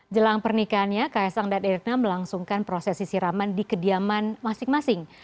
jelang pernikahannya ks angdan ericknam melangsungkan proses isiraman di kediaman masing masing